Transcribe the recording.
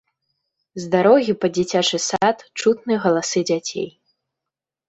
З дарогі пад дзіцячы сад чутны галасы дзяцей.